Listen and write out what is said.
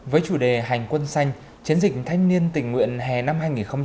với chủ đề hành quân xanh chiến dịch thanh niên tình nguyện hè năm hai nghìn một mươi sáu